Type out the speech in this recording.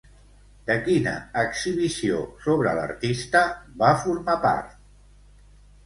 De quina exhibició sobre l'artista va formar part?